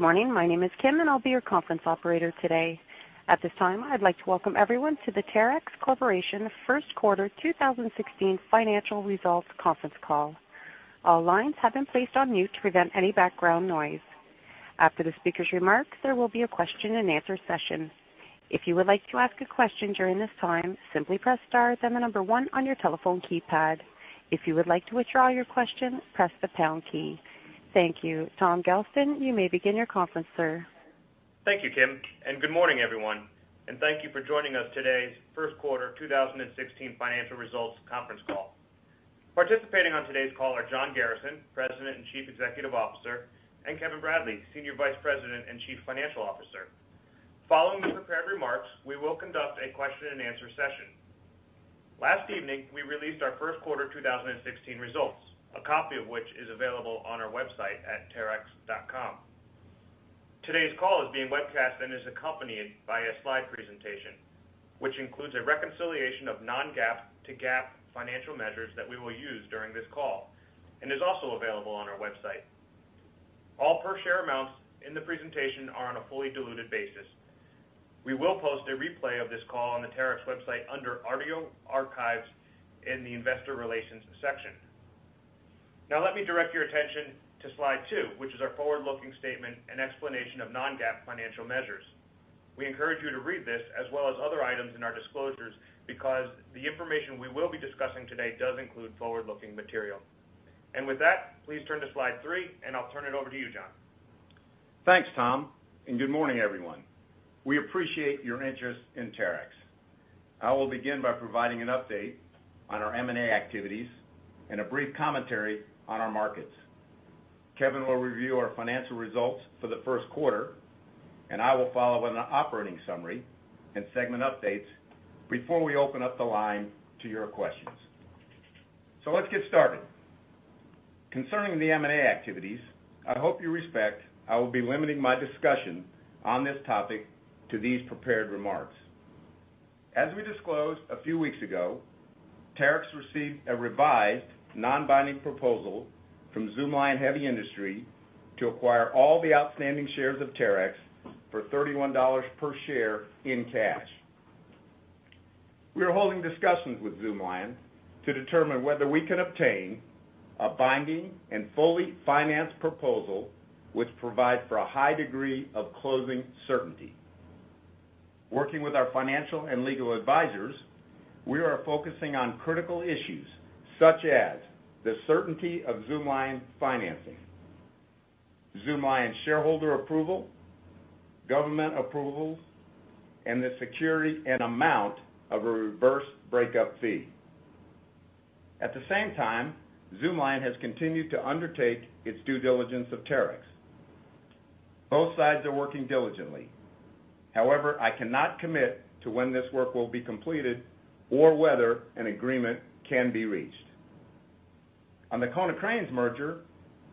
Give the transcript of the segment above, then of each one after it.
Good morning. My name is Kim, and I'll be your conference operator today. At this time, I'd like to welcome everyone to the Terex Corporation First Quarter 2016 financial results conference call. All lines have been placed on mute to prevent any background noise. After the speaker's remarks, there will be a question and answer session. If you would like to ask a question during this time, simply press star, then 1 on your telephone keypad. If you would like to withdraw your question, press the pound key. Thank you. Tom Gelston, you may begin your conference, sir. Thank you, Kim. Thank you for joining us today's first quarter 2016 financial results conference call. Participating on today's call are John Garrison, President and Chief Executive Officer, and Kevin Bradley, Senior Vice President and Chief Financial Officer. Following the prepared remarks, we will conduct a question and answer session. Last evening, we released our first quarter 2016 results, a copy of which is available on our website at terex.com. Today's call is being webcast and is accompanied by a slide presentation, which includes a reconciliation of non-GAAP to GAAP financial measures that we will use during this call and is also available on our website. All per share amounts in the presentation are on a fully diluted basis. We will post a replay of this call on the Terex website under Audio Archives in the Investor Relations section. Now let me direct your attention to slide two, which is our forward-looking statement and explanation of non-GAAP financial measures. We encourage you to read this as well as other items in our disclosures because the information we will be discussing today does include forward-looking material. With that, please turn to slide three and I'll turn it over to you, John. Thanks, Tom. Good morning, everyone. We appreciate your interest in Terex. I will begin by providing an update on our M&A activities and a brief commentary on our markets. Kevin will review our financial results for the first quarter, and I will follow with an operating summary and segment updates before we open up the line to your questions. Let's get started. Concerning the M&A activities, I hope you respect I will be limiting my discussion on this topic to these prepared remarks. As we disclosed a few weeks ago, Terex received a revised non-binding proposal from Zoomlion Heavy Industry to acquire all the outstanding shares of Terex for $31 per share in cash. We are holding discussions with Zoomlion to determine whether we can obtain a binding and fully financed proposal which provides for a high degree of closing certainty. Working with our financial and legal advisors, we are focusing on critical issues such as the certainty of Zoomlion financing, Zoomlion shareholder approval, government approvals, and the security and amount of a reverse breakup fee. At the same time, Zoomlion has continued to undertake its due diligence of Terex. Both sides are working diligently. I cannot commit to when this work will be completed or whether an agreement can be reached. On the Konecranes merger,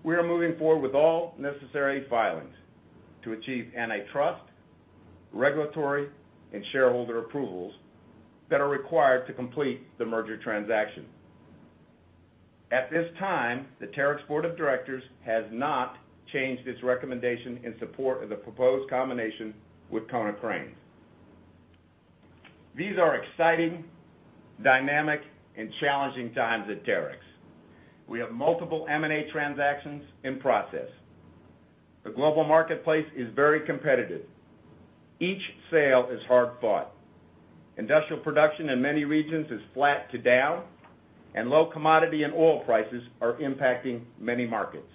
we are moving forward with all necessary filings to achieve antitrust, regulatory, and shareholder approvals that are required to complete the merger transaction. The Terex board of directors has not changed its recommendation in support of the proposed combination with Konecranes. These are exciting, dynamic, and challenging times at Terex. We have multiple M&A transactions in process. The global marketplace is very competitive. Each sale is hard-fought. Industrial production in many regions is flat to down, low commodity and oil prices are impacting many markets.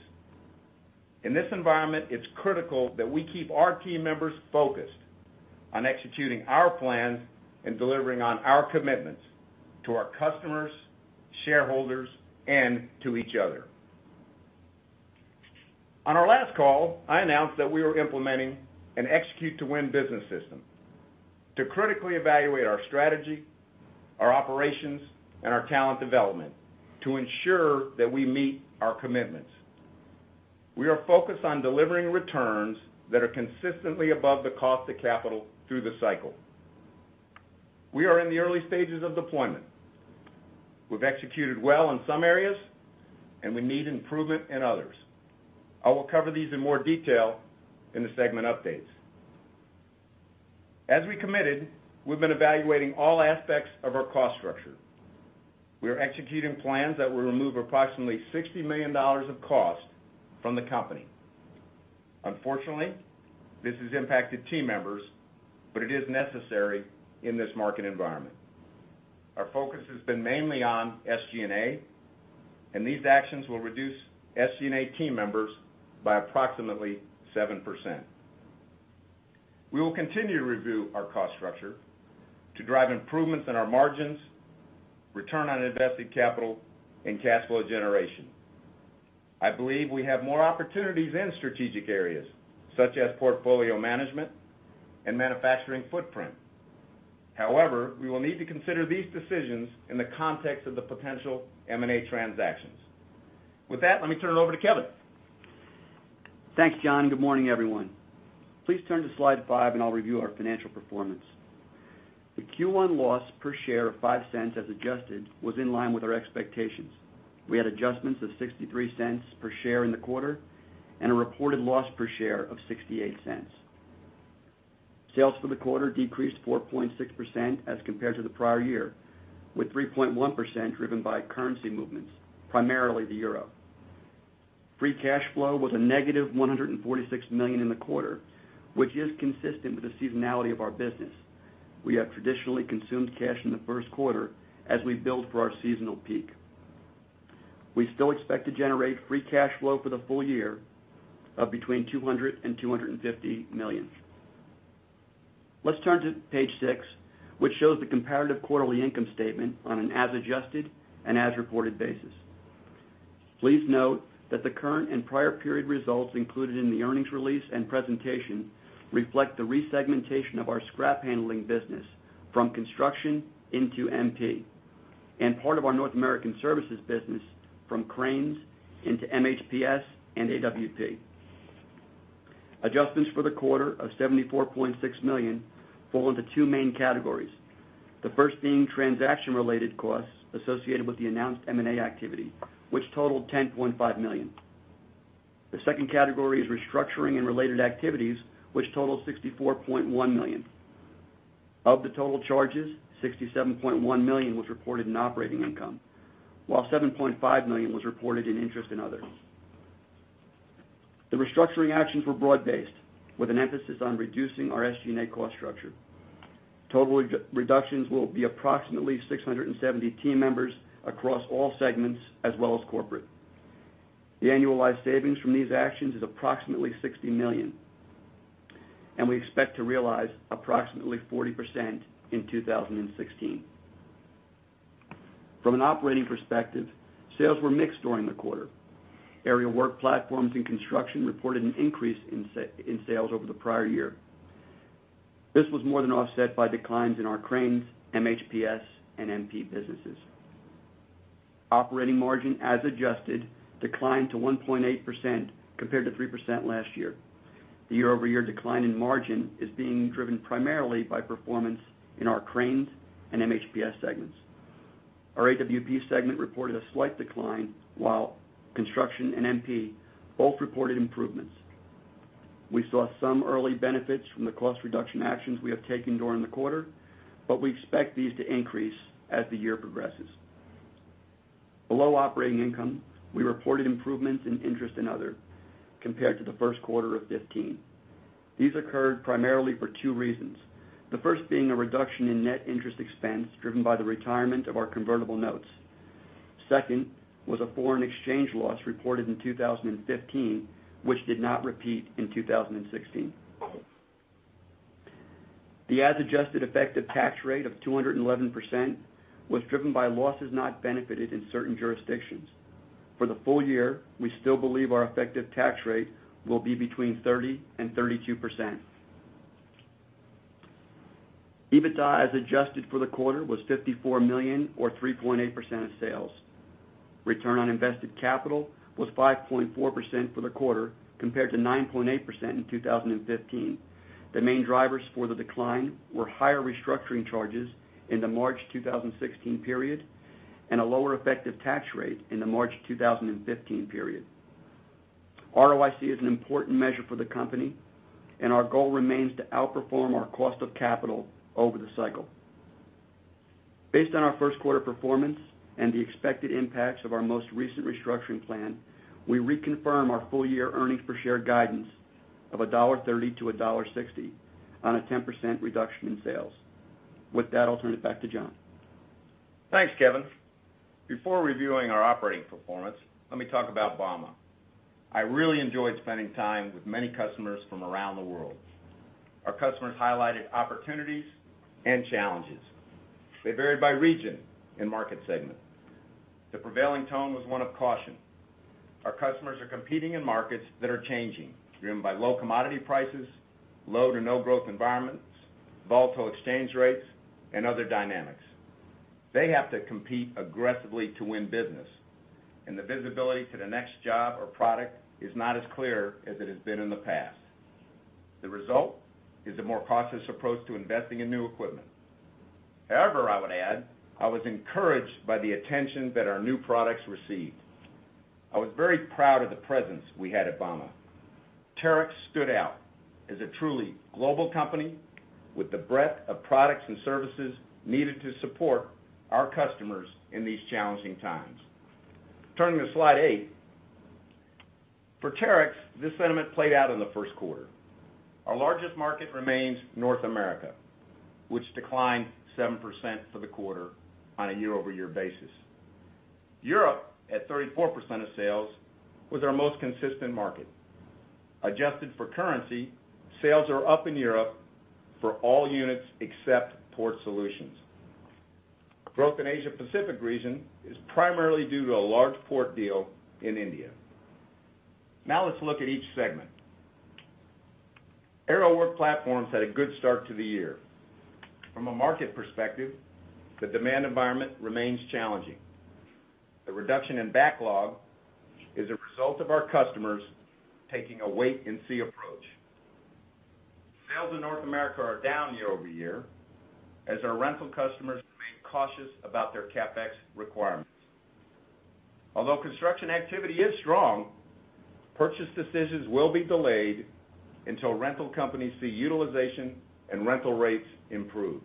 In this environment, it's critical that we keep our team members focused on executing our plans and delivering on our commitments to our customers, shareholders, and to each other. On our last call, I announced that we were implementing an Execute to Win business system to critically evaluate our strategy, our operations, and our talent development to ensure that we meet our commitments. We are focused on delivering returns that are consistently above the cost of capital through the cycle. We are in the early stages of deployment. We've executed well in some areas, and we need improvement in others. I will cover these in more detail in the segment updates. As we committed, we've been evaluating all aspects of our cost structure. We are executing plans that will remove approximately $60 million of cost from the company. Unfortunately, this has impacted team members, but it is necessary in this market environment. Our focus has been mainly on SG&A, these actions will reduce SG&A team members by approximately 7%. We will continue to review our cost structure to drive improvements in our margins, return on invested capital, and cash flow generation. I believe we have more opportunities in strategic areas such as portfolio management and manufacturing footprint. We will need to consider these decisions in the context of the potential M&A transactions. With that, let me turn it over to Kevin. Thanks, John. Good morning, everyone. Please turn to slide five and I'll review our financial performance. The Q1 loss per share of $0.05 as adjusted was in line with our expectations. We had adjustments of $0.63 per share in the quarter and a reported loss per share of $0.68. Sales for the quarter decreased 4.6% as compared to the prior year, with 3.1% driven by currency movements, primarily the EUR. Free cash flow was a negative $146 million in the quarter, which is consistent with the seasonality of our business. We have traditionally consumed cash in the first quarter as we build for our seasonal peak. We still expect to generate free cash flow for the full year of between $200 million and $250 million. Let's turn to page six, which shows the comparative quarterly income statement on an as-adjusted and as-reported basis. Please note that the current and prior period results included in the earnings release and presentation reflect the resegmentation of our scrap handling business from Construction into MP, and part of our North American services business from Cranes into MHPS and AWP. Adjustments for the quarter of $74.6 million fall into two main categories. The first being transaction-related costs associated with the announced M&A activity, which totaled $10.5 million. The second category is restructuring and related activities, which totaled $64.1 million. Of the total charges, $67.1 million was reported in operating income, while $7.5 million was reported in interest and others. The restructuring actions were broad-based with an emphasis on reducing our SG&A cost structure. Total reductions will be approximately 670 team members across all segments as well as corporate. The annualized savings from these actions is approximately $60 million, and we expect to realize approximately 40% in 2016. From an operating perspective, sales were mixed during the quarter. Aerial Work Platforms in Construction reported an increase in sales over the prior year. This was more than offset by declines in our Cranes, MHPS and MP businesses. Operating margin, as adjusted, declined to 1.8% compared to 3% last year. The year-over-year decline in margin is being driven primarily by performance in our Cranes and MHPS segments. Our AWP segment reported a slight decline, while Construction and MP both reported improvements. We saw some early benefits from the cost reduction actions we have taken during the quarter, but we expect these to increase as the year progresses. Below operating income, we reported improvements in interest and other compared to the first quarter of 2015. These occurred primarily for two reasons. The first being a reduction in net interest expense driven by the retirement of our convertible notes. Second was a foreign exchange loss reported in 2015, which did not repeat in 2016. The as-adjusted effective tax rate of 211% was driven by losses not benefited in certain jurisdictions. For the full year, we still believe our effective tax rate will be between 30% and 32%. EBITDA as adjusted for the quarter was $54 million or 3.8% of sales. Return on invested capital was 5.4% for the quarter compared to 9.8% in 2015. The main drivers for the decline were higher restructuring charges in the March 2016 period and a lower effective tax rate in the March 2015 period. ROIC is an important measure for the company, and our goal remains to outperform our cost of capital over the cycle. Based on our first quarter performance and the expected impacts of our most recent restructuring plan, we reconfirm our full year earnings per share guidance of $1.30 to $1.60 on a 10% reduction in sales. With that, I'll turn it back to John. Thanks, Kevin. Before reviewing our operating performance, let me talk about Bauma. I really enjoyed spending time with many customers from around the world. Our customers highlighted opportunities and challenges. They varied by region and market segment. The prevailing tone was one of caution. Our customers are competing in markets that are changing, driven by low commodity prices, low to no growth environments, volatile exchange rates and other dynamics. They have to compete aggressively to win business, the visibility to the next job or product is not as clear as it has been in the past. The result is a more cautious approach to investing in new equipment. However, I would add, I was encouraged by the attention that our new products received. I was very proud of the presence we had at Bauma. Terex stood out as a truly global company with the breadth of products and services needed to support our customers in these challenging times. Turning to slide eight. For Terex, this sentiment played out in the first quarter. Our largest market remains North America, which declined 7% for the quarter on a year-over-year basis. Europe, at 34% of sales, was our most consistent market. Adjusted for currency, sales are up in Europe for all units except Port Solutions. Growth in Asia-Pacific region is primarily due to a large port deal in India. Now let's look at each segment. Aerial Work Platforms had a good start to the year. From a market perspective, the demand environment remains challenging. The reduction in backlog is a result of our customers taking a wait and see approach. Sales in North America are down year-over-year, as our rental customers remain cautious about their CapEx requirements. Although construction activity is strong, purchase decisions will be delayed until rental companies see utilization and rental rates improve.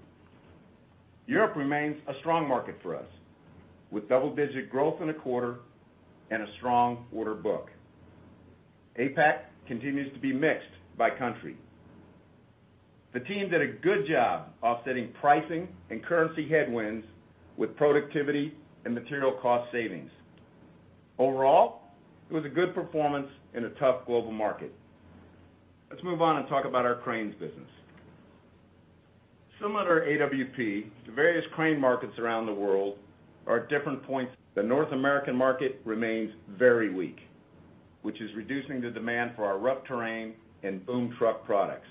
Europe remains a strong market for us, with double-digit growth in the quarter and a strong order book. APAC continues to be mixed by country. The team did a good job offsetting pricing and currency headwinds with productivity and material cost savings. Overall, it was a good performance in a tough global market. Let's move on and talk about our cranes business. Similar to AWP, the various crane markets around the world are at different points. The North American market remains very weak, which is reducing the demand for our rough terrain and boom truck products.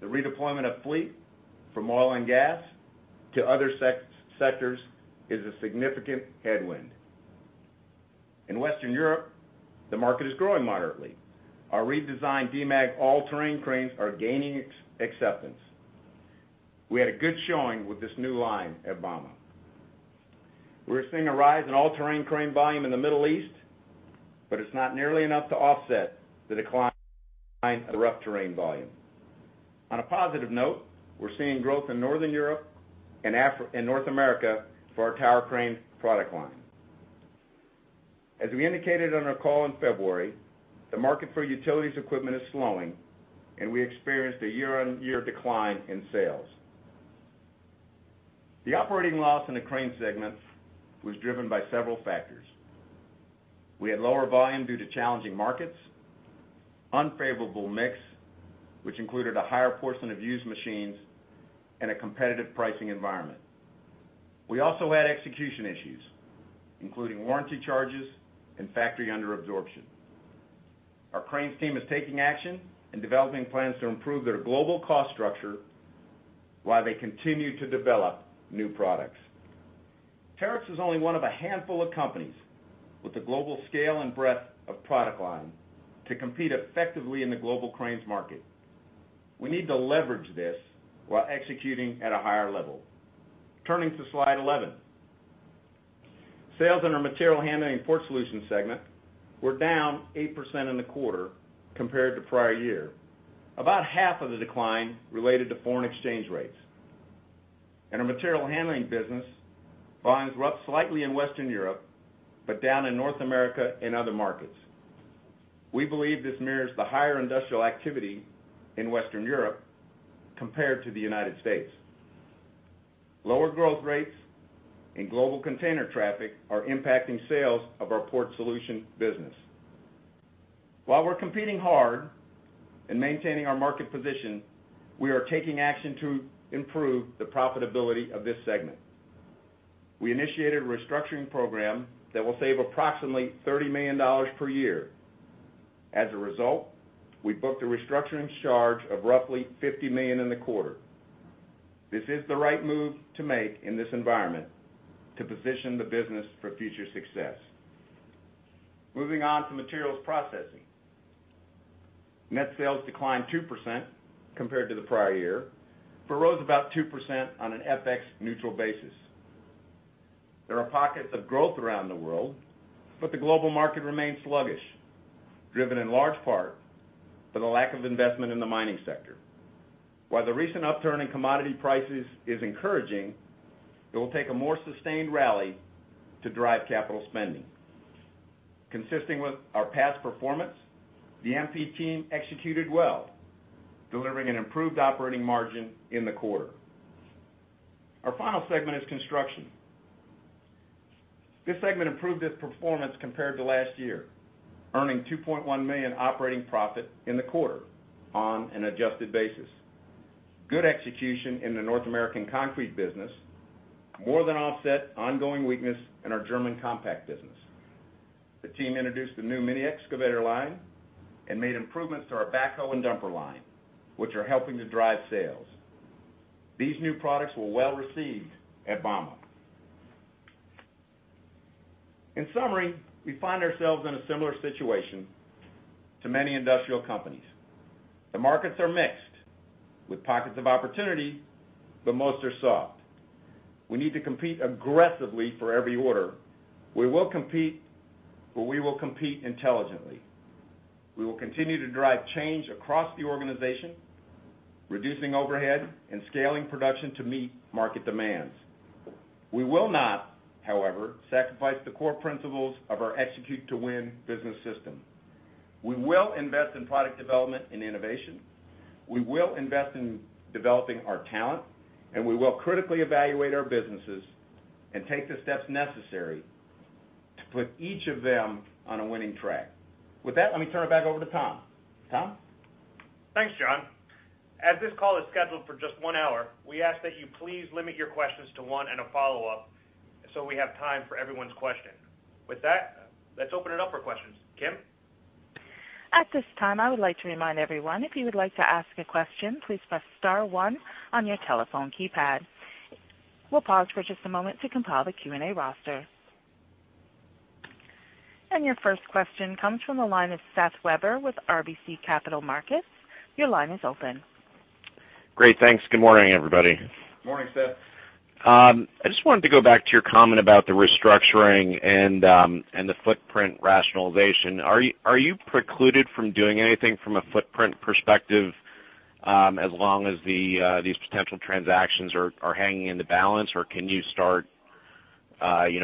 The redeployment of fleet from oil and gas to other sectors is a significant headwind. In Western Europe, the market is growing moderately. Our redesigned Demag all-terrain cranes are gaining acceptance. We had a good showing with this new line at Bauma. We're seeing a rise in all-terrain crane volume in the Middle East, but it's not nearly enough to offset the decline of the rough terrain volume. On a positive note, we're seeing growth in Northern Europe and North America for our tower crane product line. As we indicated on our call in February, the market for utilities equipment is slowing, and we experienced a year-over-year decline in sales. The operating loss in the crane segment was driven by several factors. We had lower volume due to challenging markets, unfavorable mix, which included a higher portion of used machines, and a competitive pricing environment. We also had execution issues, including warranty charges and factory under absorption. Our cranes team is taking action and developing plans to improve their global cost structure while they continue to develop new products. Terex is only one of a handful of companies with the global scale and breadth of product line to compete effectively in the global cranes market. We need to leverage this while executing at a higher level. Turning to slide 11. Sales in our Material Handling & Port Solutions segment were down 8% in the quarter compared to prior year, about half of the decline related to foreign exchange rates. In our material handling business, volumes were up slightly in Western Europe, but down in North America and other markets. We believe this mirrors the higher industrial activity in Western Europe compared to the U.S. Lower growth rates in global container traffic are impacting sales of our Port Solutions business. While we're competing hard and maintaining our market position, we are taking action to improve the profitability of this segment. We initiated a restructuring program that will save approximately $30 million per year. As a result, we booked a restructuring charge of roughly $50 million in the quarter. This is the right move to make in this environment to position the business for future success. Moving on to Materials Processing. Net sales declined 2% compared to the prior year, but rose about 2% on an FX neutral basis. There are pockets of growth around the world, but the global market remains sluggish, driven in large part by the lack of investment in the mining sector. While the recent upturn in commodity prices is encouraging, it will take a more sustained rally to drive capital spending. Consistent with our past performance, the MP team executed well, delivering an improved operating margin in the quarter. Our final segment is Construction. This segment improved its performance compared to last year, earning $2.1 million operating profit in the quarter on an adjusted basis. Good execution in the North American concrete business more than offset ongoing weakness in our German compact business. The team introduced the new mini excavator line and made improvements to our backhoe and dumper line, which are helping to drive sales. These new products were well received at Bauma. In summary, we find ourselves in a similar situation to many industrial companies. The markets are mixed with pockets of opportunity, but most are soft. We need to compete aggressively for every order. We will compete, but we will compete intelligently. We will continue to drive change across the organization, reducing overhead and scaling production to meet market demands. We will not, however, sacrifice the core principles of our Execute to Win business system. We will invest in product development and innovation. We will invest in developing our talent, we will critically evaluate our businesses and take the steps necessary to put each of them on a winning track. With that, let me turn it back over to Tom. Tom? Thanks, John. As this call is scheduled for just one hour, we ask that you please limit your questions to one and a follow-up so we have time for everyone's question. With that, let's open it up for questions. Kim? At this time, I would like to remind everyone, if you would like to ask a question, please press star one on your telephone keypad. We'll pause for just a moment to compile the Q&A roster. Your first question comes from the line of Seth Weber with RBC Capital Markets. Your line is open. Great. Thanks. Good morning, everybody. Morning, Seth. I just wanted to go back to your comment about the restructuring and the footprint rationalization. Are you precluded from doing anything from a footprint perspective as long as these potential transactions are hanging in the balance, or can you start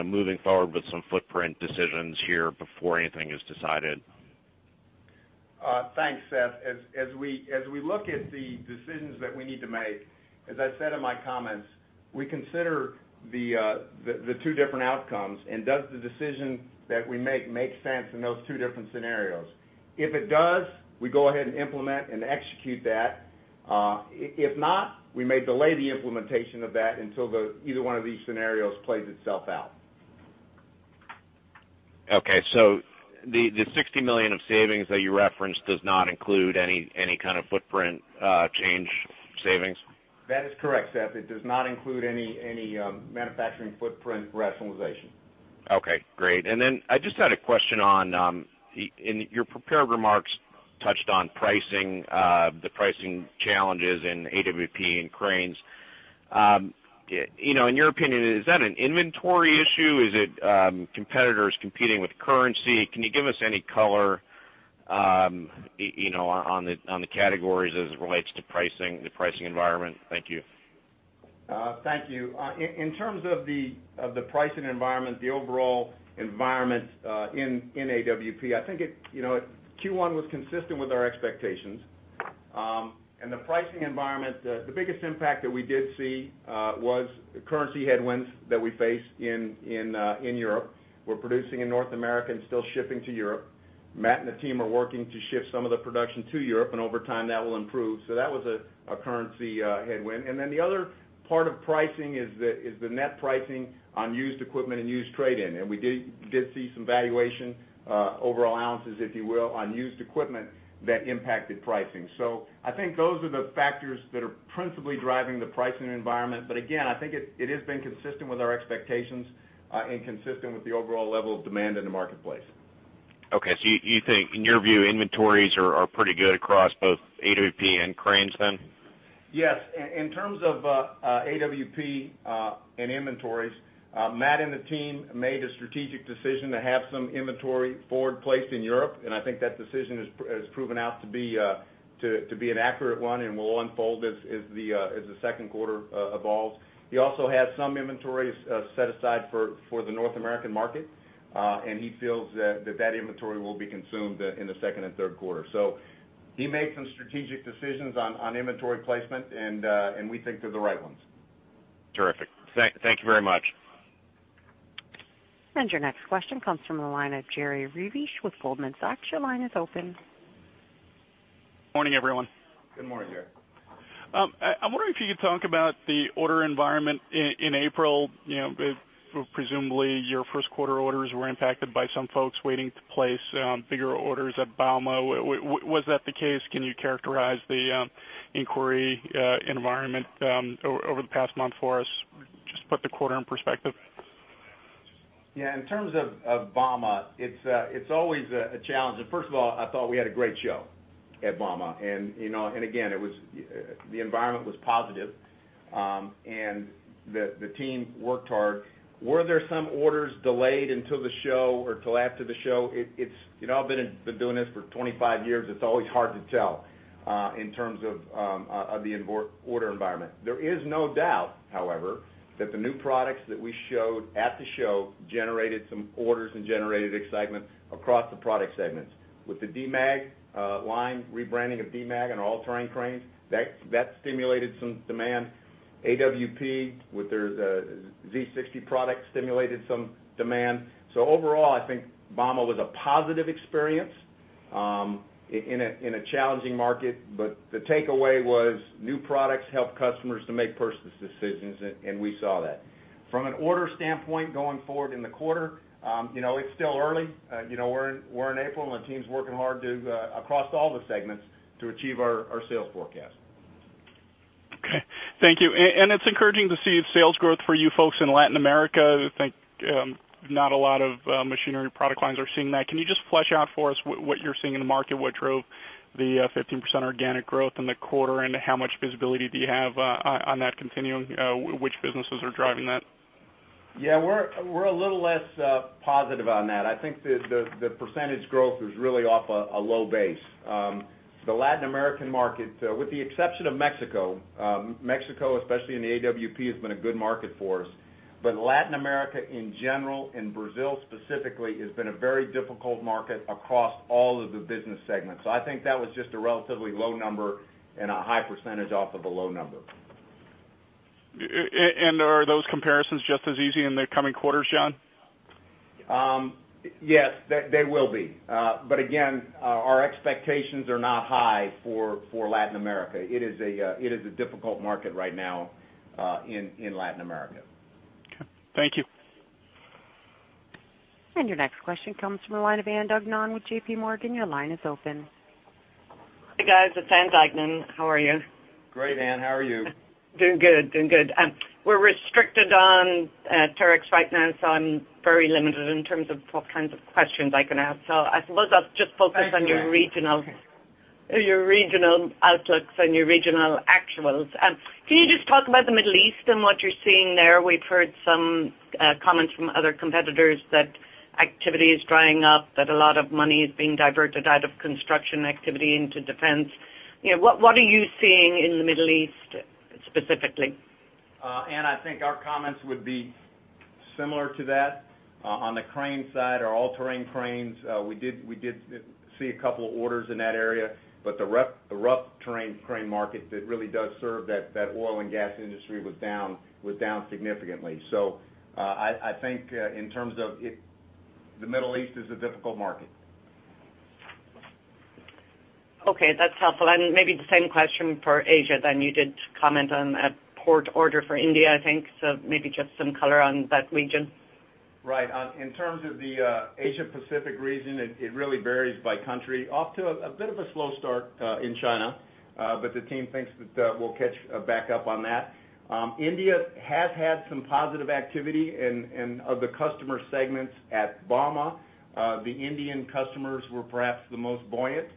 moving forward with some footprint decisions here before anything is decided? Thanks, Seth. As we look at the decisions that we need to make, as I said in my comments, we consider the two different outcomes and does the decision that we make sense in those two different scenarios? If it does, we go ahead and implement and execute that. If not, we may delay the implementation of that until either one of these scenarios plays itself out. The $60 million of savings that you referenced does not include any kind of footprint change savings? That is correct, Seth. It does not include any manufacturing footprint rationalization. Okay, great. Then I just had a question on, in your prepared remarks touched on pricing, the pricing challenges in AWP and cranes. In your opinion, is that an inventory issue? Is it competitors competing with currency? Can you give us any color on the categories as it relates to the pricing environment? Thank you. Thank you. In terms of the pricing environment, the overall environment in AWP, I think Q1 was consistent with our expectations. The pricing environment, the biggest impact that we did see was the currency headwinds that we faced in Europe. We're producing in North America and still shipping to Europe. Matt and the team are working to shift some of the production to Europe, over time, that will improve. That was a currency headwind. Then the other part of pricing is the net pricing on used equipment and used trade-in. We did see some valuation, overall allowances, if you will, on used equipment that impacted pricing. I think those are the factors that are principally driving the pricing environment. Again, I think it has been consistent with our expectations and consistent with the overall level of demand in the marketplace. Okay, you think, in your view, inventories are pretty good across both AWP and cranes then? Yes. In terms of AWP and inventories, Matt and the team made a strategic decision to have some inventory forward placed in Europe, and I think that decision has proven out to be an accurate one and will unfold as the second quarter evolves. He also has some inventories set aside for the North American market. He feels that that inventory will be consumed in the second and third quarter. He made some strategic decisions on inventory placement, and we think they're the right ones. Terrific. Thank you very much. Your next question comes from the line of Jerry Revich with Goldman Sachs. Your line is open. Morning, everyone. Good morning, Jerry. I'm wondering if you could talk about the order environment in April. Presumably, your first quarter orders were impacted by some folks waiting to place bigger orders at Bauma. Was that the case? Can you characterize the inquiry environment over the past month for us? Just put the quarter in perspective. Yeah. In terms of Bauma, it's always a challenge. First of all, I thought we had a great show at Bauma. Again, the environment was positive, and the team worked hard. Were there some orders delayed until the show or till after the show? I've been doing this for 25 years. It's always hard to tell in terms of the order environment. There is no doubt, however, that the new products that we showed at the show generated some orders and generated excitement across the product segments. With the Demag line rebranding of Demag and all-terrain cranes, that stimulated some demand. AWP with their Z-60 product stimulated some demand. Overall, I think Bauma was a positive experience in a challenging market. The takeaway was new products help customers to make purchase decisions, and we saw that. From an order standpoint going forward in the quarter, it's still early. We're in April, and the team's working hard across all the segments to achieve our sales forecast. Okay. Thank you. It's encouraging to see sales growth for you folks in Latin America. I think not a lot of machinery product lines are seeing that. Can you just flesh out for us what you're seeing in the market? What drove the 15% organic growth in the quarter, and how much visibility do you have on that continuing? Which businesses are driving that? Yeah, we're a little less positive on that. I think the percentage growth is really off a low base. The Latin American market, with the exception of Mexico, especially in the AWP, has been a good market for us. Latin America in general, and Brazil specifically, has been a very difficult market across all of the business segments. I think that was just a relatively low number and a high percentage off of a low number. Are those comparisons just as easy in the coming quarters, John? Yes, they will be. Again, our expectations are not high for Latin America. It is a difficult market right now in Latin America. Okay. Thank you. Your next question comes from the line of Ann Duignan with JPMorgan. Your line is open. Hey, guys. It's Ann Duignan. How are you? Great, Ann. How are you? Doing good. We're restricted on Terex right now, so I'm very limited in terms of what kinds of questions I can ask. I suppose I'll just focus. I understand I'll focus on your regional outlooks and your regional actuals. Can you just talk about the Middle East and what you're seeing there? We've heard some comments from other competitors that activity is drying up, that a lot of money is being diverted out of construction activity into defense. What are you seeing in the Middle East specifically? Ann, I think our comments would be similar to that. On the crane side, our all-terrain cranes, we did see a couple orders in that area, but the rough terrain crane market that really does serve that oil and gas industry was down significantly. I think in terms of it, the Middle East is a difficult market. Okay, that's helpful. Maybe the same question for Asia then. You did comment on a port order for India, I think. So maybe just some color on that region. Right. In terms of the Asia Pacific region, it really varies by country. Off to a bit of a slow start in China, but the team thinks that we'll catch back up on that. India has had some positive activity in the customer segments at Bauma. The Indian customers were perhaps the most buoyant.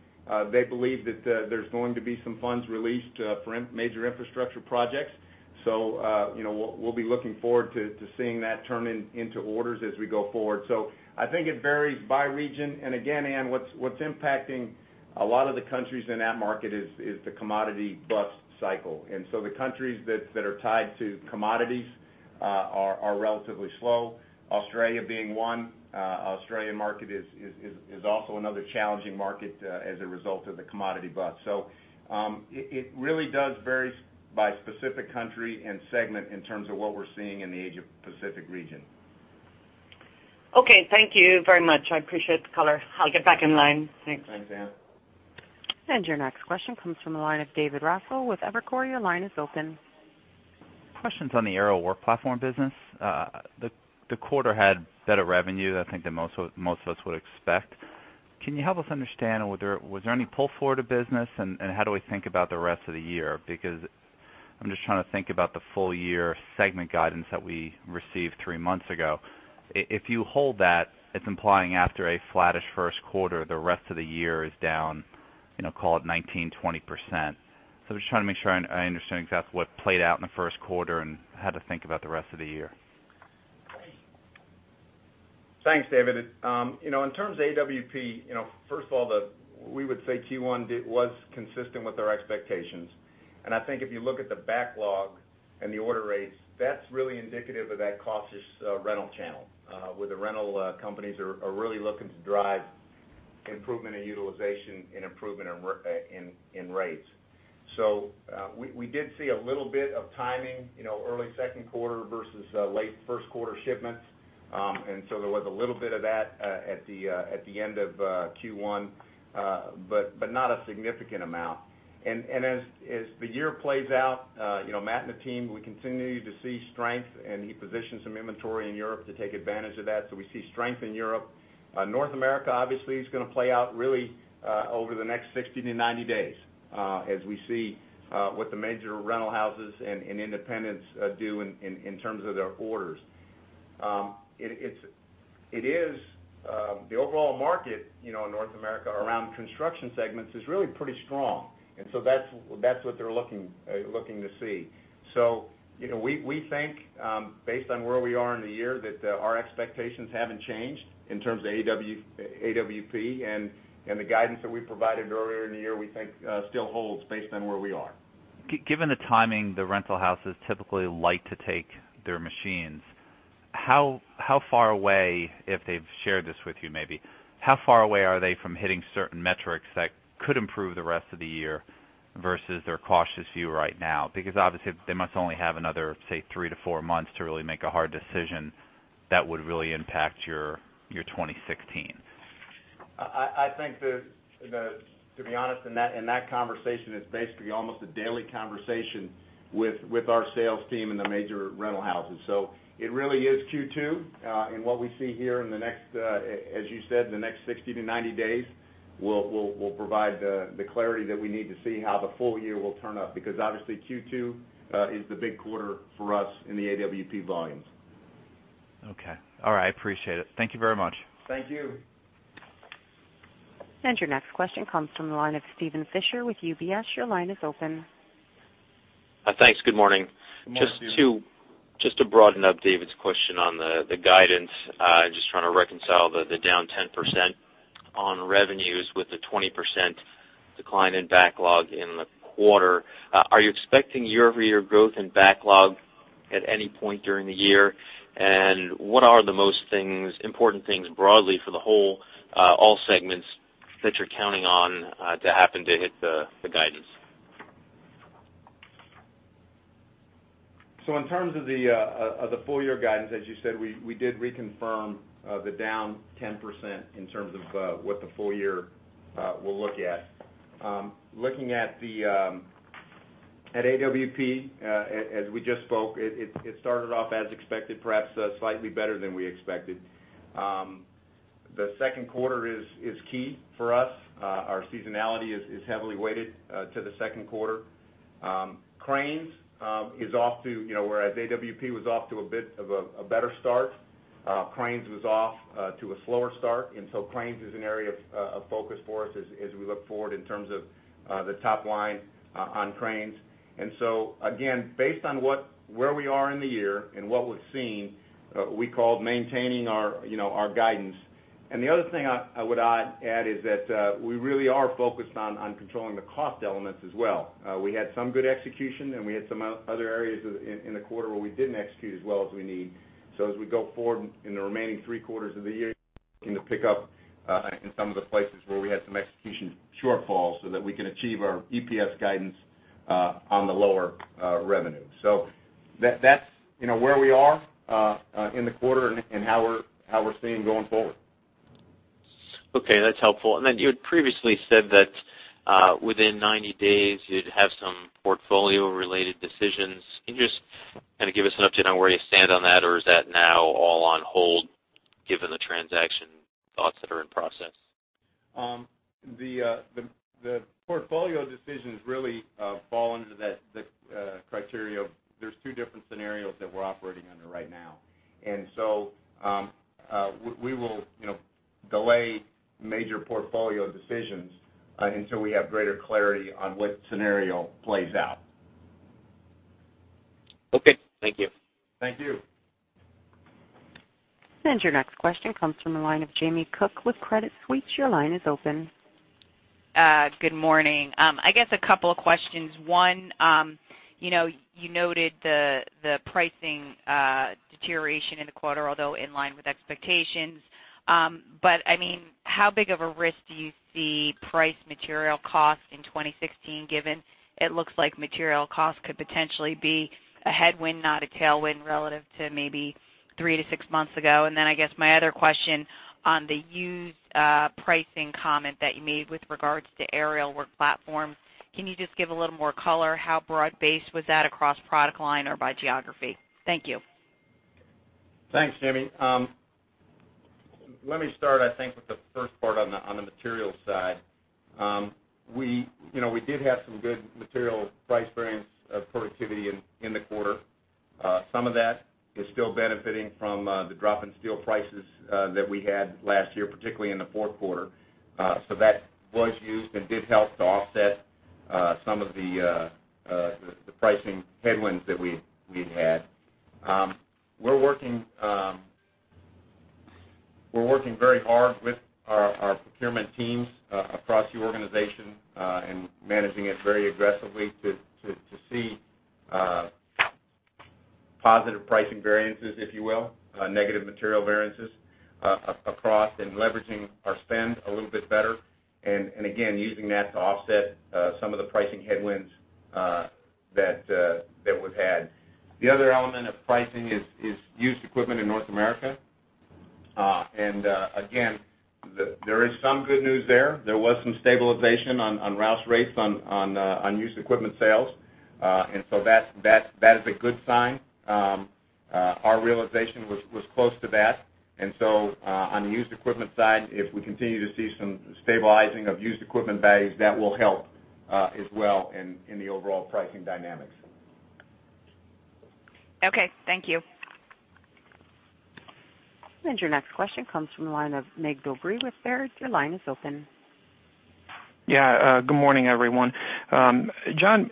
They believe that there's going to be some funds released for major infrastructure projects. We'll be looking forward to seeing that turn into orders as we go forward. I think it varies by region. Again, Ann, what's impacting a lot of the countries in that market is the commodity bust cycle. The countries that are tied to commodities are relatively slow, Australia being one. Australian market is also another challenging market as a result of the commodity bust. It really does vary by specific country and segment in terms of what we're seeing in the Asia Pacific region. Okay. Thank you very much. I appreciate the color. I'll get back in line. Thanks. Thanks, Ann. Your next question comes from the line of David Raso with Evercore. Your line is open. Questions on the Aerial Work Platforms business. The quarter had better revenue, I think, than most of us would expect. Can you help us understand, was there any pull forward of business, and how do we think about the rest of the year? Because I'm just trying to think about the full year segment guidance that we received three months ago. If you hold that, it's implying after a flattish first quarter, the rest of the year is down, call it, 19%-20%. So I'm just trying to make sure I understand exactly what played out in the first quarter and how to think about the rest of the year. Thanks, David. In terms of AWP, first of all, we would say Q1 was consistent with our expectations. I think if you look at the backlog and the order rates, that's really indicative of that cautious rental channel, where the rental companies are really looking to drive improvement in utilization and improvement in rates. There was a little bit of timing, early second quarter versus late first quarter shipments. As the year plays out, Matt and the team, we continue to see strength, and he positioned some inventory in Europe to take advantage of that. We see strength in Europe. North America, obviously, is going to play out really over the next 60 to 90 days, as we see what the major rental houses and independents do in terms of their orders. The overall market in North America around construction segments is really pretty strong. That's what they're looking to see. We think, based on where we are in the year, that our expectations haven't changed in terms of AWP. The guidance that we provided earlier in the year, we think still holds based on where we are. Given the timing the rental houses typically like to take their machines, how far away, if they've shared this with you maybe, how far away are they from hitting certain metrics that could improve the rest of the year versus their cautious view right now? Obviously, they must only have another, say, three to four months to really make a hard decision that would really impact your 2016. I think, to be honest, that conversation is basically almost a daily conversation with our sales team and the major rental houses. It really is Q2, and what we see here in, as you said, the next 60 to 90 days will provide the clarity that we need to see how the full year will turn up. Obviously, Q2 is the big quarter for us in the AWP volumes. Okay. All right. I appreciate it. Thank you very much. Thank you. Your next question comes from the line of Steven Fisher with UBS. Your line is open. Thanks. Good morning. Good morning, Steven. Just to broaden up David's question on the guidance, just trying to reconcile the down 10% on revenues with the 20% decline in backlog in the quarter. Are you expecting year-over-year growth in backlog at any point during the year? What are the most important things broadly for the whole, all segments, that you're counting on to happen to hit the guidance? In terms of the full-year guidance, as you said, we did reconfirm the down 10% in terms of what the full year will look at. Looking at the AWP, as we just spoke, it started off as expected, perhaps slightly better than we expected. The second quarter is key for us. Our seasonality is heavily weighted to the second quarter. Cranes, whereas AWP was off to a bit of a better start, Cranes was off to a slower start. Cranes is an area of focus for us as we look forward in terms of the top line on Cranes. Again, based on where we are in the year and what we've seen, we called maintaining our guidance. The other thing I would add is that we really are focused on controlling the cost elements as well. We had some good execution, we had some other areas in the quarter where we didn't execute as well as we need. As we go forward in the remaining three quarters of the year, looking to pick up in some of the places where we had some execution shortfalls so that we can achieve our EPS guidance on the lower revenue. That's where we are in the quarter and how we're seeing going forward. Okay, that's helpful. Then you had previously said that within 90 days you'd have some portfolio-related decisions. Can you just kind of give us an update on where you stand on that, or is that now all on hold given the transaction thoughts that are in process? The portfolio decisions really fall under the criteria of there's two different scenarios that we're operating under right now. We will delay major portfolio decisions until we have greater clarity on what scenario plays out. Okay. Thank you. Thank you. Your next question comes from the line of Jamie Cook with Credit Suisse. Your line is open. Good morning. I guess a couple of questions. One, you noted the pricing deterioration in the quarter, although in line with expectations. How big of a risk do you see price material cost in 2016, given it looks like material cost could potentially be a headwind, not a tailwind, relative to maybe three to six months ago? I guess my other question on the used pricing comment that you made with regards to Aerial Work Platforms, can you just give a little more color? How broad-based was that across product line or by geography? Thank you. Thanks, Jamie. Let me start, I think, with the first part on the materials side. We did have some good material price variance productivity in the quarter. Some of that is still benefiting from the drop in steel prices that we had last year, particularly in the fourth quarter. That was used and did help to offset some of the pricing headwinds that we've had. We're working very hard with our procurement teams across the organization and managing it very aggressively to see positive pricing variances, if you will, negative material variances across and leveraging our spend a little bit better. Again, using that to offset some of the pricing headwinds that we've had. The other element of pricing is used equipment in North America. Again, there is some good news there. There was some stabilization on Rouse Rates on used equipment sales, and so that is a good sign. Our realization was close to that. On the used equipment side, if we continue to see some stabilizing of used equipment values, that will help as well in the overall pricing dynamics. Okay. Thank you. Your next question comes from the line of Mig Dobre with Baird. Your line is open. Yeah. Good morning, everyone. John,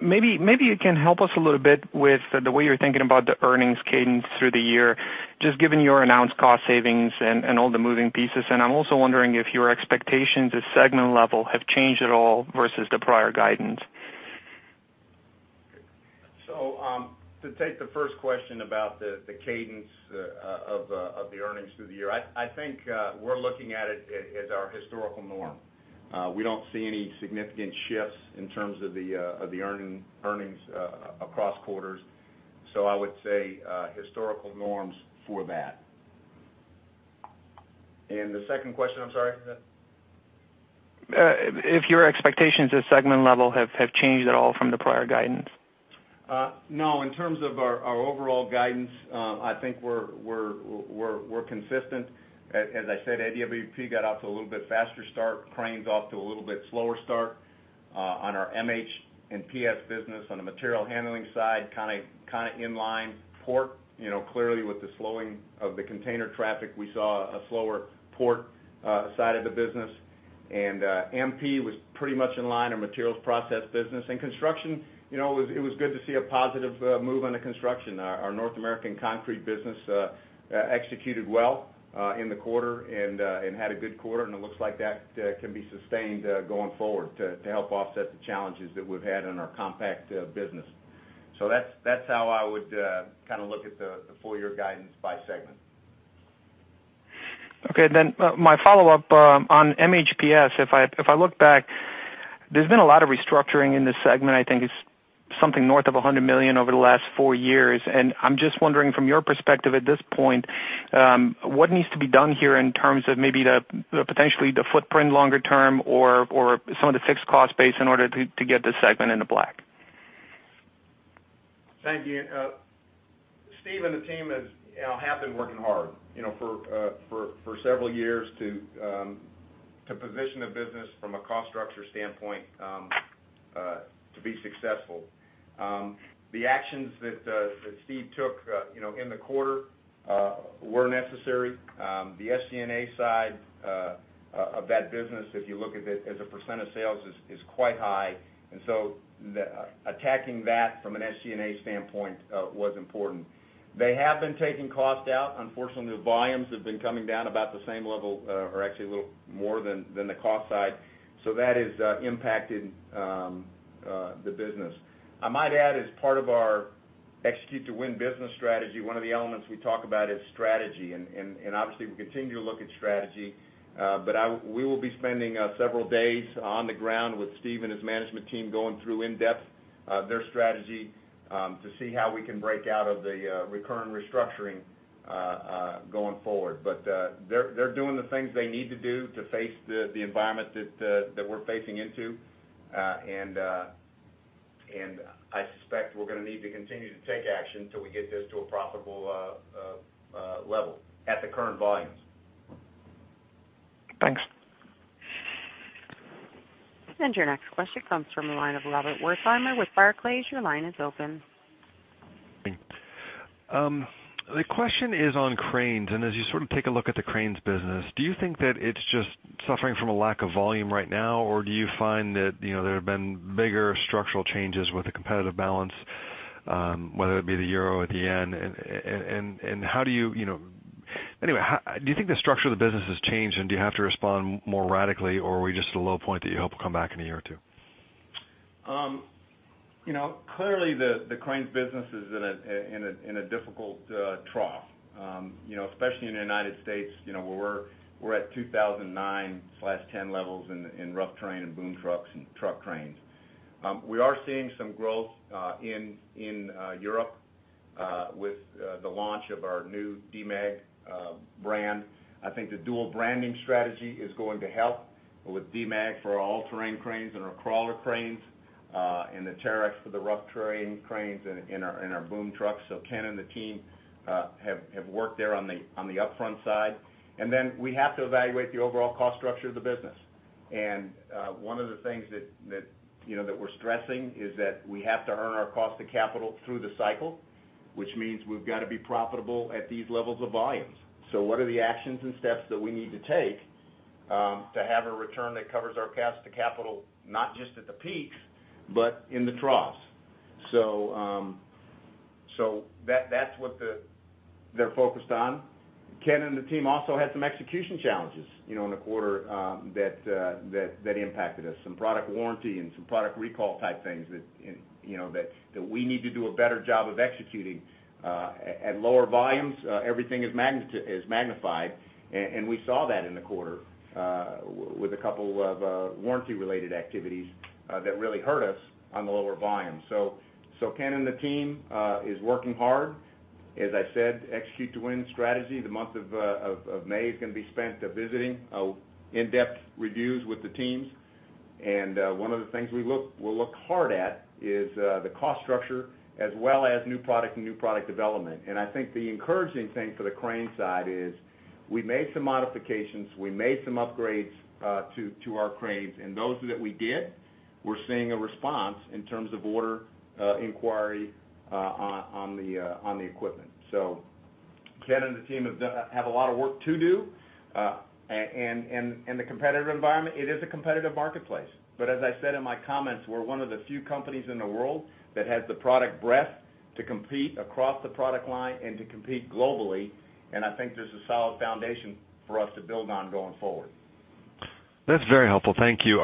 maybe you can help us a little bit with the way you're thinking about the earnings cadence through the year, just given your announced cost savings and all the moving pieces. I'm also wondering if your expectations at segment level have changed at all versus the prior guidance. To take the first question about the cadence of the earnings through the year, I think we're looking at it as our historical norm. We don't see any significant shifts in terms of the earnings across quarters. I would say historical norms for that. The second question, I'm sorry? If your expectations at segment level have changed at all from the prior guidance. No. In terms of our overall guidance, I think we're consistent. As I said, AWP got off to a little bit faster start. Cranes got off to a little bit slower start. On our MH and PS business, on the Material Handling side, kind of inline. Port, clearly with the slowing of the container traffic, we saw a slower Port side of the business. MP was pretty much in line, our Materials Processing business. Construction, it was good to see a positive move on the construction. Our North American concrete business executed well in the quarter and had a good quarter, and it looks like that can be sustained going forward to help offset the challenges that we've had in our compact business. That's how I would kind of look at the full year guidance by segment. Okay, my follow-up on MHPS. If I look back, there's been a lot of restructuring in this segment I think is something north of $100 million over the last four years. I'm just wondering from your perspective at this point, what needs to be done here in terms of maybe potentially the footprint longer term or some of the fixed cost base in order to get this segment into black? Thank you. Steve and the team have been working hard for several years to position the business from a cost structure standpoint to be successful. The actions that Steve took in the quarter were necessary. The SG&A side of that business, if you look at it as a % of sales, is quite high. Attacking that from an SG&A standpoint was important. They have been taking cost out. Unfortunately, the volumes have been coming down about the same level or actually a little more than the cost side. That has impacted the business. I might add, as part of our Execute to Win business strategy, one of the elements we talk about is strategy. Obviously, we continue to look at strategy. We will be spending several days on the ground with Steve and his management team going through in depth their strategy to see how we can break out of the recurring restructuring going forward. They're doing the things they need to do to face the environment that we're facing into. I suspect we're going to need to continue to take action till we get this to a profitable level at the current volumes. Thanks. Your next question comes from the line of Robert Wertheimer with Barclays. Your line is open. The question is on cranes, and as you sort of take a look at the cranes business, do you think that it's just suffering from a lack of volume right now? Do you find that there have been bigger structural changes with the competitive balance, whether it be the euro or the yen. Do you think the structure of the business has changed and do you have to respond more radically, or are we just at a low point that you hope will come back in a year or two? Clearly, the cranes business is in a difficult trough especially in the U.S. where we're at 2009/10 levels in rough terrain and boom trucks and truck cranes. We are seeing some growth in Europe with the launch of our new Demag brand. I think the dual branding strategy is going to help with Demag for our all-terrain cranes and our crawler cranes and the Terex for the rough terrain cranes and our boom trucks. Ken and the team have worked there on the upfront side. Then we have to evaluate the overall cost structure of the business. One of the things that we're stressing is that we have to earn our cost of capital through the cycle, which means we've got to be profitable at these levels of volumes. What are the actions and steps that we need to take to have a return that covers our cost of capital, not just at the peaks, but in the troughs? That's what they're focused on. Ken and the team also had some execution challenges in the quarter that impacted us. Some product warranty and some product recall type things that we need to do a better job of executing. At lower volumes, everything is magnified, and we saw that in the quarter with a couple of warranty-related activities that really hurt us on the lower volumes. Ken and the team is working hard. As I said, Execute to Win strategy. The month of May is going to be spent visiting in-depth reviews with the teams. One of the things we'll look hard at is the cost structure as well as new product and new product development. I think the encouraging thing for the crane side is we made some modifications, we made some upgrades to our cranes, and those that we did, we're seeing a response in terms of order inquiry on the equipment. Ken and the team have a lot of work to do. The competitive environment, it is a competitive marketplace. As I said in my comments, we're one of the few companies in the world that has the product breadth to compete across the product line and to compete globally. I think this is solid foundation for us to build on going forward. That's very helpful. Thank you.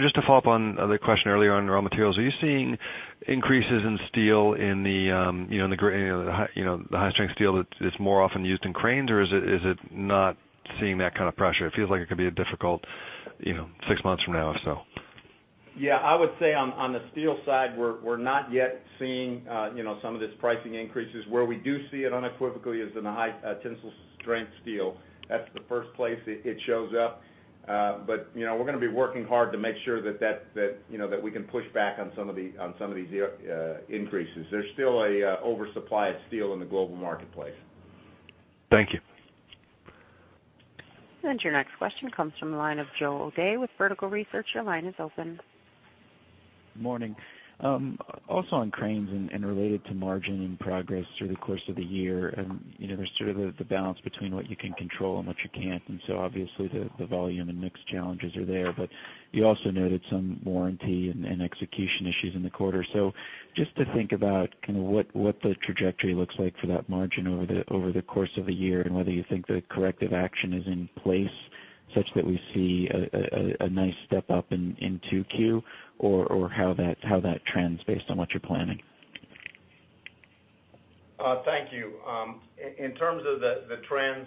Just to follow up on the question earlier on raw materials, are you seeing increases in steel in the high-strength steel that is more often used in cranes? Or is it not seeing that kind of pressure? It feels like it could be a difficult six months from now, if so. I would say on the steel side, we're not yet seeing some of this pricing increases. Where we do see it unequivocally is in the high tensile strength steel. That's the first place it shows up. We're going to be working hard to make sure that we can push back on some of these increases. There's still an oversupply of steel in the global marketplace. Thank you. Your next question comes from the line of Joe O'Dea with Vertical Research. Your line is open. Morning. Also on Cranes and related to margin and progress through the course of the year, there's sort of the balance between what you can control and what you can't. Obviously the volume and mix challenges are there, but you also noted some warranty and execution issues in the quarter. Just to think about kind of what the trajectory looks like for that margin over the course of the year and whether you think the corrective action is in place such that we see a nice step up in 2Q or how that trends based on what you're planning. Thank you. In terms of the trends,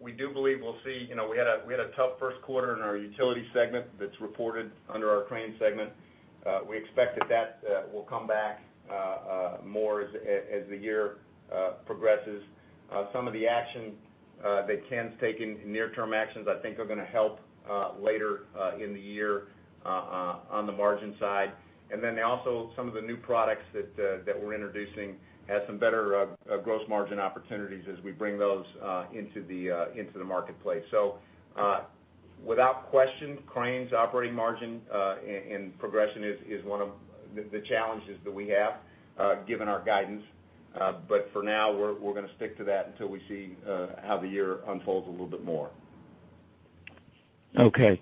we do believe we'll see. We had a tough first quarter in our Utility segment that's reported under our Cranes segment. We expect that will come back more as the year progresses. Some of the action that Ken's taking, near-term actions, I think, are going to help later in the year on the margin side. Also, some of the new products that we're introducing have some better gross margin opportunities as we bring those into the marketplace. Without question, Cranes operating margin and progression is one of the challenges that we have given our guidance. For now, we're going to stick to that until we see how the year unfolds a little bit more. Okay.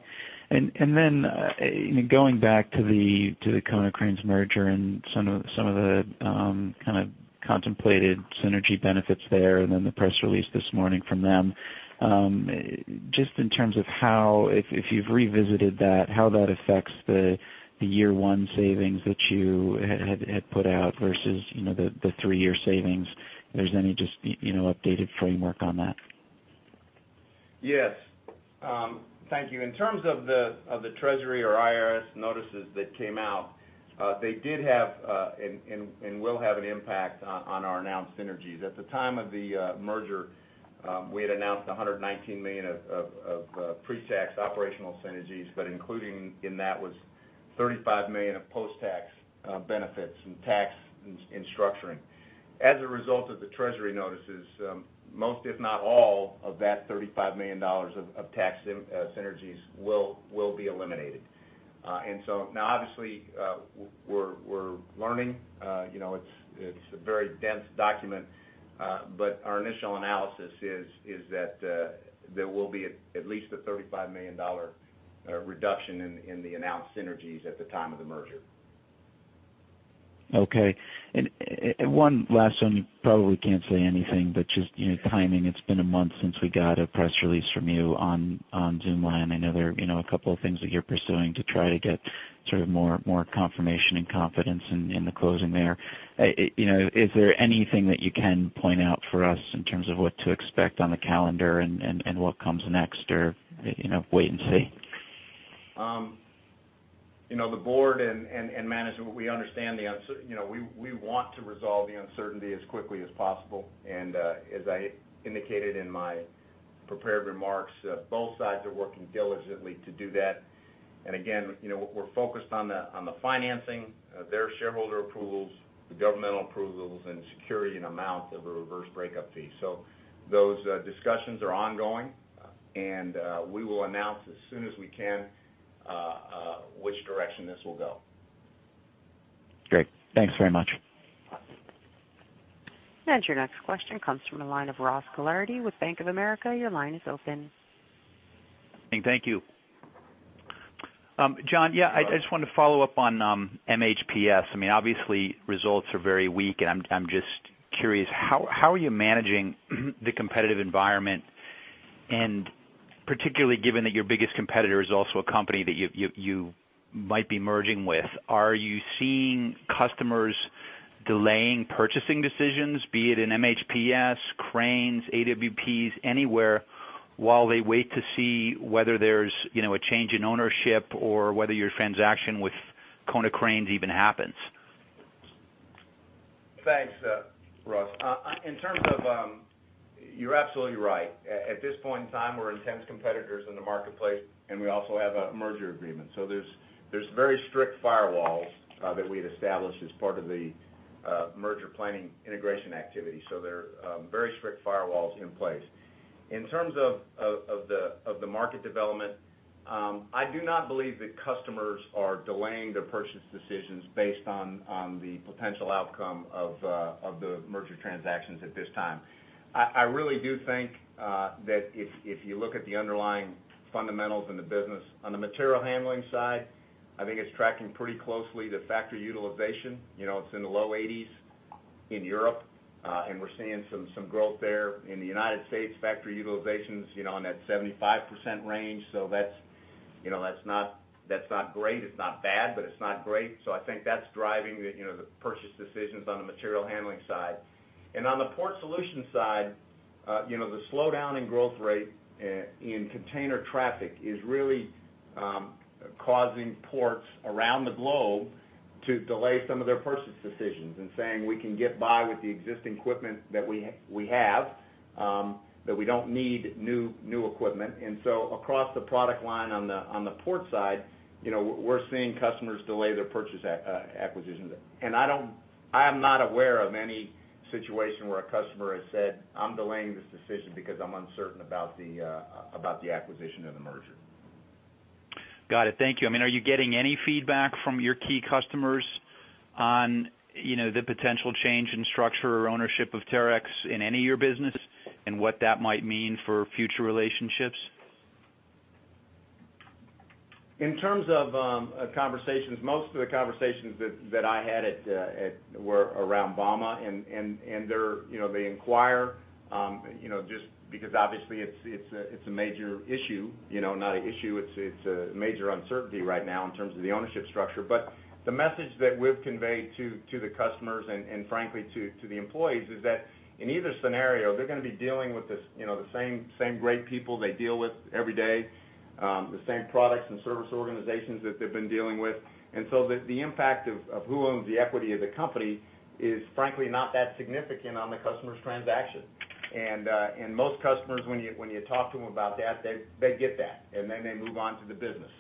Going back to the Konecranes merger and some of the kind of contemplated synergy benefits there, then the press release this morning from them. Just in terms of how, if you've revisited that, how that affects the year-one savings that you had put out versus the three-year savings. If there's any just updated framework on that. Yes. Thank you. In terms of the Treasury or IRS notices that came out, they did have and will have an impact on our announced synergies. At the time of the merger, we had announced $119 million of pre-tax operational synergies, but including in that was $35 million of post-tax benefits and tax and structuring. As a result of the Treasury notices, most, if not all, of that $35 million of tax synergies will be eliminated. Now obviously, we're learning. It's a very dense document. Our initial analysis is that there will be at least a $35 million reduction in the announced synergies at the time of the merger. Okay. One last one, you probably can't say anything, but just timing. It's been a month since we got a press release from you on Zoomlion. I know there are a couple of things that you're pursuing to try to get sort of more confirmation and confidence in the closing there. Is there anything that you can point out for us in terms of what to expect on the calendar and what comes next? Or wait and see? The board and management, we want to resolve the uncertainty as quickly as possible. As I indicated in my prepared remarks, both sides are working diligently to do that. Again, we're focused on the financing, their shareholder approvals, the governmental approvals, and the security and amount of a reverse breakup fee. Those discussions are ongoing, and we will announce as soon as we can which direction this will go. Great. Thanks very much. Your next question comes from the line of Ross Gilardi with Bank of America. Your line is open. Thank you. John, yeah, I just wanted to follow up on MHPS. I mean, obviously, results are very weak, and I'm just curious, how are you managing the competitive environment? Particularly given that your biggest competitor is also a company that you might be merging with. Are you seeing customers delaying purchasing decisions, be it in MHPS, Cranes, AWPs, anywhere, while they wait to see whether there's a change in ownership or whether your transaction with Konecranes even happens? Thanks, Ross. You're absolutely right. At this point in time, we're intense competitors in the marketplace, we also have a merger agreement. There's very strict firewalls that we had established as part of the merger planning integration activity. There are very strict firewalls in place. In terms of the market development, I do not believe that customers are delaying their purchase decisions based on the potential outcome of the merger transactions at this time. I really do think that if you look at the underlying fundamentals in the business on the material handling side, I think it's tracking pretty closely to factory utilization. It's in the low 80%s in Europe, and we're seeing some growth there. In the U.S., factory utilization's in that 75% range. That's not great. It's not bad, but it's not great. I think that's driving the purchase decisions on the material handling side. On the Port Solutions side, the slowdown in growth rate in container traffic is really causing ports around the globe to delay some of their purchase decisions saying, "We can get by with the existing equipment that we have, that we don't need new equipment." Across the product line on the port side, we're seeing customers delay their purchase acquisitions. I am not aware of any situation where a customer has said, "I'm delaying this decision because I'm uncertain about the acquisition or the merger. Got it. Thank you. Are you getting any feedback from your key customers on the potential change in structure or ownership of Terex in any of your business and what that might mean for future relationships? In terms of conversations, most of the conversations that I had were around Bauma. They inquire, just because obviously it's a major issue. Not a issue, it's a major uncertainty right now in terms of the ownership structure. The message that we've conveyed to the customers and frankly, to the employees, is that in either scenario, they're going to be dealing with the same great people they deal with every day, the same products and service organizations that they've been dealing with. So the impact of who owns the equity of the company is frankly not that significant on the customer's transaction. Most customers, when you talk to them about that, they get that, and then they move on to the business.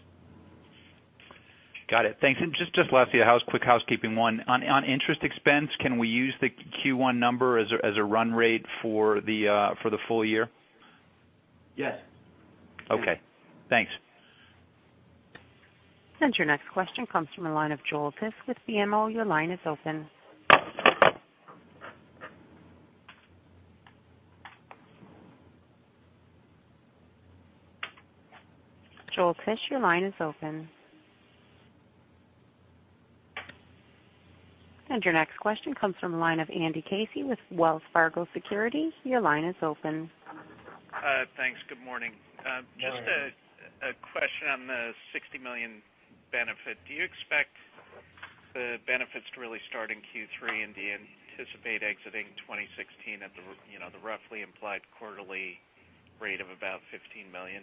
Got it. Thanks. Just lastly, a quick housekeeping one. On interest expense, can we use the Q1 number as a run rate for the full year? Yes. Okay, thanks. Your next question comes from the line of Joel Tiss with BMO. Your line is open. Joel Tiss, your line is open. Your next question comes from the line of Andy Casey with Wells Fargo Securities. Your line is open. Thanks. Good morning. Good morning. Just a question on the $60 million benefit. Do you expect the benefits to really start in Q3 and do you anticipate exiting 2016 at the roughly implied quarterly rate of about $15 million?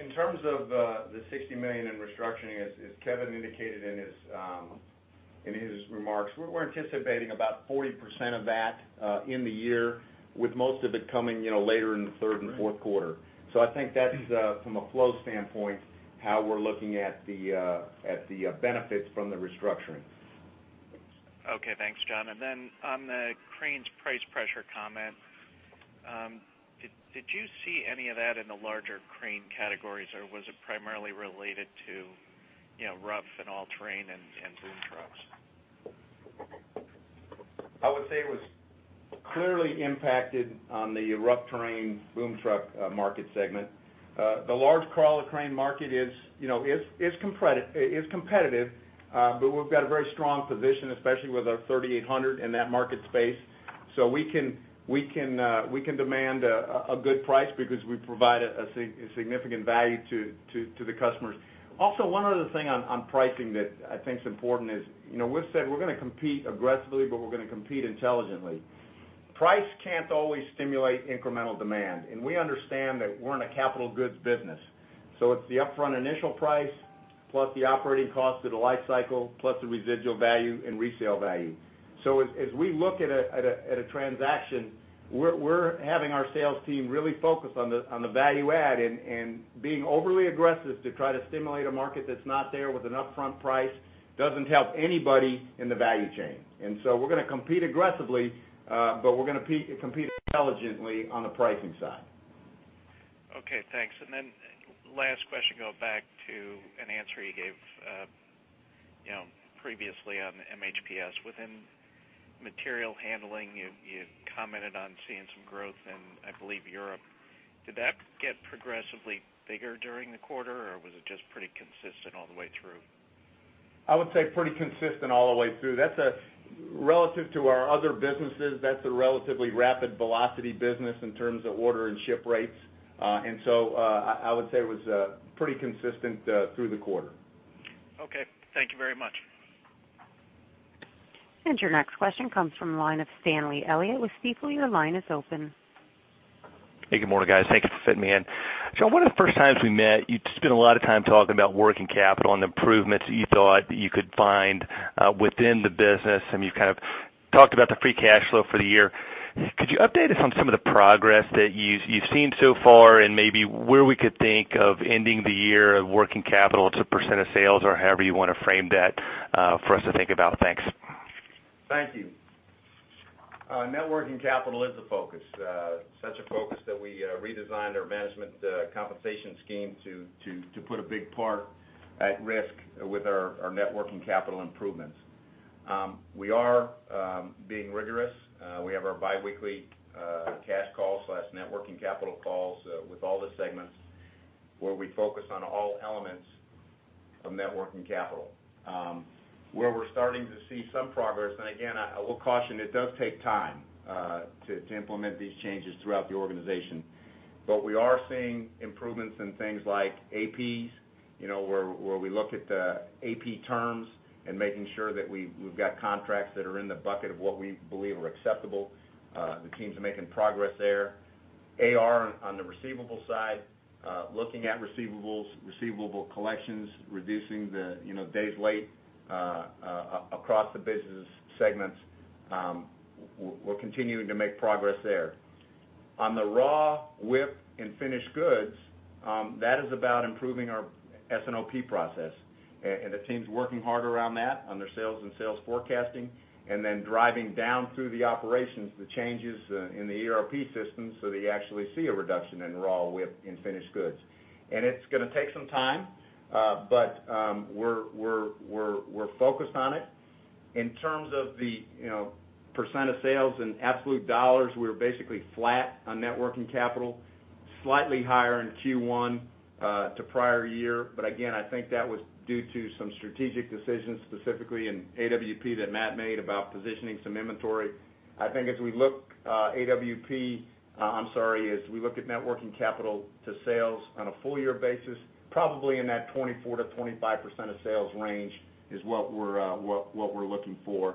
In terms of the $60 million in restructuring, as Kevin indicated in his remarks, we're anticipating about 40% of that in the year, with most of it coming later in the third and fourth quarter. I think that's, from a flow standpoint, how we're looking at the benefits from the restructuring. Okay. Thanks, John. On the cranes price pressure comment, did you see any of that in the larger crane categories, or was it primarily related to rough and all-terrain and boom trucks? I would say it was clearly impacted on the rough terrain boom truck market segment. The large crawler crane market is competitive, but we've got a very strong position, especially with our 3800 in that market space. We can demand a good price because we provide a significant value to the customers. One other thing on pricing that I think is important is, we've said we're going to compete aggressively, but we're going to compete intelligently. Price can't always stimulate incremental demand, and we understand that we're in a capital goods business. It's the upfront initial price, plus the operating cost of the life cycle, plus the residual value and resale value. As we look at a transaction, we're having our sales team really focus on the value add and being overly aggressive to try to stimulate a market that's not there with an upfront price doesn't help anybody in the value chain. We're going to compete aggressively, but we're going to compete intelligently on the pricing side. Okay, thanks. Last question, going back to an answer you gave previously on MHPS. Within Material Handling, you commented on seeing some growth in, I believe, Europe. Did that get progressively bigger during the quarter, or was it just pretty consistent all the way through? I would say pretty consistent all the way through. Relative to our other businesses, that's a relatively rapid velocity business in terms of order and ship rates. I would say it was pretty consistent through the quarter. Okay. Thank you very much. Your next question comes from the line of Stanley Elliott with Stifel. Your line is open. Hey, good morning, guys. Thanks for fitting me in. John, one of the first times we met, you spent a lot of time talking about working capital and the improvements that you thought that you could find within the business, and you've kind of talked about the free cash flow for the year. Could you update us on some of the progress that you've seen so far and maybe where we could think of ending the year of working capital to % of sales, or however you want to frame that for us to think about? Thanks. Thank you. Net working capital is a focus. Such a focus that we redesigned our management compensation scheme to put a big part at risk with our net working capital improvements. We are being rigorous. We have our biweekly cash calls/net working capital calls with all the segments where we focus on all elements of net working capital. We are seeing improvements in things like AP, where we look at the AP terms and making sure that we've got contracts that are in the bucket of what we believe are acceptable. The teams are making progress there. AR on the receivable side, looking at receivables, receivable collections, reducing the days late across the business segments. We're continuing to make progress there. On the raw WIP and finished goods, that is about improving our S&OP process, and the team's working hard around that on their sales and sales forecasting, and then driving down through the operations the changes in the ERP system so that you actually see a reduction in raw WIP and finished goods. It's going to take some time but we're focused on it. In terms of the % of sales in absolute dollars, we're basically flat on net working capital, slightly higher in Q1 to prior year. Again, I think that was due to some strategic decisions, specifically in AWP, that Matt made about positioning some inventory. I think as we look at AWP, I'm sorry, as we look at net working capital to sales on a full year basis, probably in that 24%-25% of sales range is what we're looking for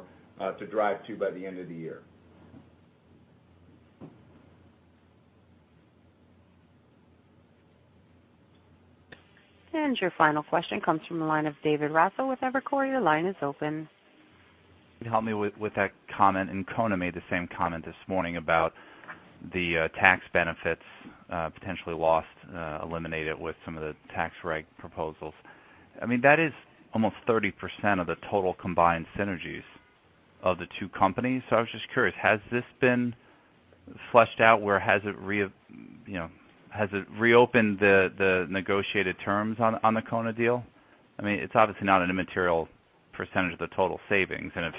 to drive to by the end of the year. Your final question comes from the line of David Raso with Evercore. Your line is open. Can you help me with that comment, and Kone made the same comment this morning about the tax benefits, potentially lost, eliminated with some of the tax reg proposals. That is almost 30% of the total combined synergies of the two companies. I was just curious, has this been fleshed out, or has it reopened the negotiated terms on the Kone deal? It's obviously not an immaterial percentage of the total savings, and it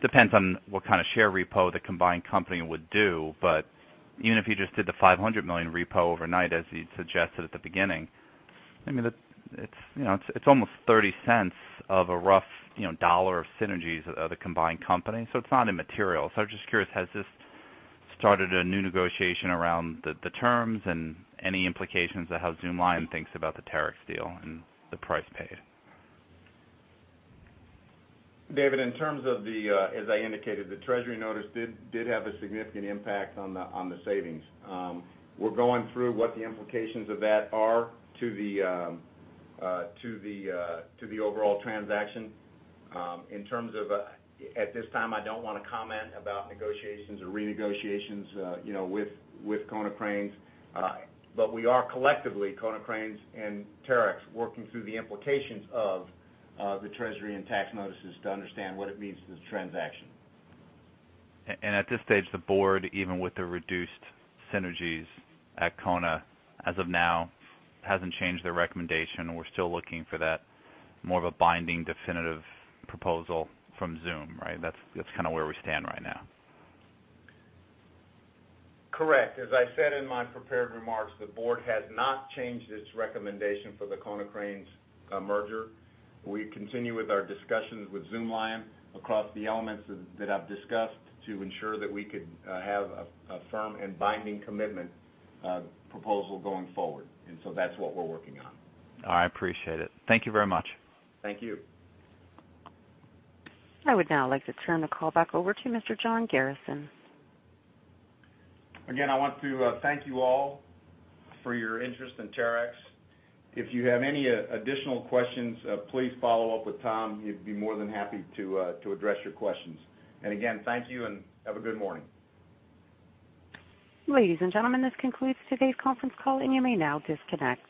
depends on what kind of share repo the combined company would do. Even if you just did the $500 million repo overnight, as you'd suggested at the beginning, it's almost $0.30 of a rough $1 of synergies of the combined company, so it's not immaterial. I was just curious, has this started a new negotiation around the terms and any implications of how Zoomlion thinks about the Terex deal and the price paid? David, in terms of the, as I indicated, the Treasury notice did have a significant impact on the savings. We're going through what the implications of that are to the overall transaction. In terms of at this time, I don't want to comment about negotiations or renegotiations with Konecranes. We are collectively, Konecranes and Terex, working through the implications of the Treasury and tax notices to understand what it means to the transaction. At this stage, the board, even with the reduced synergies at Kone as of now, hasn't changed their recommendation. We're still looking for that more of a binding, definitive proposal from Zoom, right? That's kind of where we stand right now. Correct. As I said in my prepared remarks, the board has not changed its recommendation for the Konecranes merger. We continue with our discussions with Zoomlion across the elements that I've discussed to ensure that we could have a firm and binding commitment proposal going forward. So that's what we're working on. All right. I appreciate it. Thank you very much. Thank you. I would now like to turn the call back over to Mr. John Garrison. Again, I want to thank you all for your interest in Terex. If you have any additional questions, please follow up with Tom. He'd be more than happy to address your questions. Again, thank you and have a good morning. Ladies and gentlemen, this concludes today's conference call, and you may now disconnect.